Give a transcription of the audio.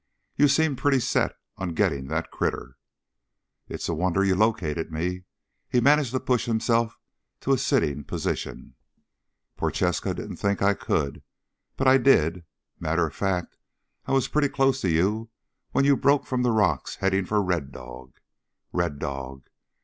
You seemed pretty set on getting that critter." "It's a wonder you located me." He managed to push himself to a sitting position. "Prochaska didn't think I could. But I did. Matter of fact, I was pretty close to you when you broke from the rocks heading for Red Dog." Red Dog!